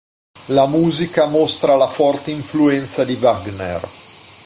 La musica mostra la forte influenza di Wagner.